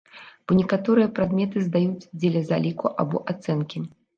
Бо некаторыя прадметы здаюць дзеля заліку або ацэнкі.